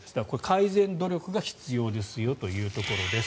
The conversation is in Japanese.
改善努力が必要ですよというところです。